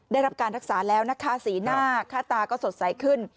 ได้รับการรักษาแล้วนะคะสีหน้าค่าตาก็สดใสขึ้น